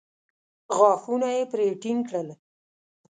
غاښونه يې پرې ټينګ کړل.